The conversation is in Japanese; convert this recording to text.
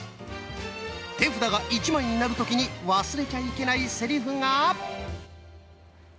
手札が１枚になる時に忘れちゃいけないセリフが。